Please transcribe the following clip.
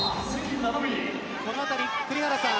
このあたり栗原さん